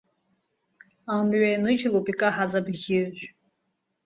Амҩа ианыжьлоуп икаҳаз абӷьыжә…